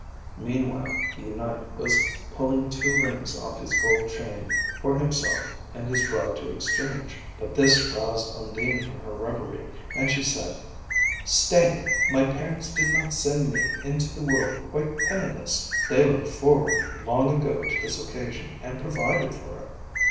Meanwhile the Knight was pulling two rings off his gold chain for himself and his bride to exchange. But this roused Undine from her reverie, and she said: "Stay! my parents did not send me into the world quite penniless; they looked forward long ago to this occasion and provided for it."